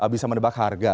bisa mendebak harga